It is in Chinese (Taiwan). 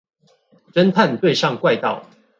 偵探對上怪盜